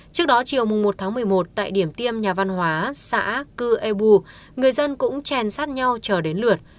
trước đó chiều một một mươi một tại điểm tiêm nhà văn hóa xã cư ebu người dân cũng chèn sát nhau chờ đến lượt